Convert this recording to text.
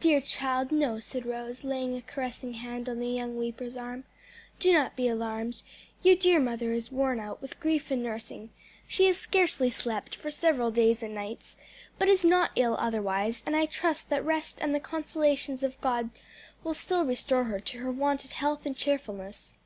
"Dear child, no!" said Rose, laying a caressing hand on the young weeper's arm; "do not be alarmed; your dear mother is worn out with grief and nursing she has scarcely slept for several days and nights but is not ill otherwise, and I trust that rest and the consolations of God will still restore her to her wonted health and cheerfulness."